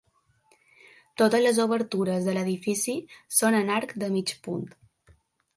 Totes les obertures de l'edifici són en arc de mig punt.